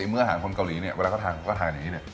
เมื่ออาหารคนเกาหลีเนี่ยเวลาเขาทานเขาก็ทานอย่างนี้เนี่ย